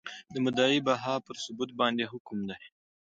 د مدعی بها پر ثبوت باندي حکم دی ؟